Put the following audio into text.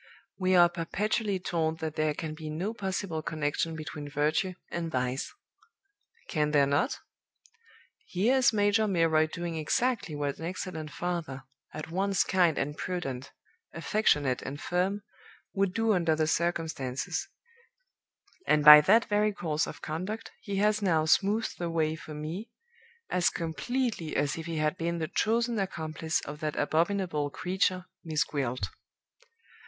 We are perpetually told that there can be no possible connection between virtue and vice. Can there not? Here is Major Milroy doing exactly what an excellent father, at once kind and prudent, affectionate and firm, would do under the circumstances; and by that very course of conduct he has now smoothed the way for me, as completely as if he had been the chosen accomplice of that abominable creature, Miss Gwilt.